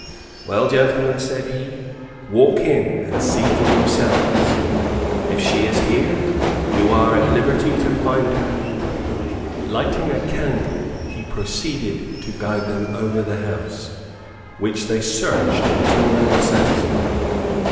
"Well gentlemen," said he, "walk in, and see for yourselves. If she is here, you are at liberty to find her." Lighting a candle, he proceeded to guide them over the house, which they searched until they were satisfied.